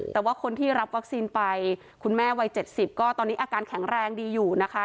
แต่ว่าคนที่รับวัคซีนไปคุณแม่วัย๗๐ก็ตอนนี้อาการแข็งแรงดีอยู่นะคะ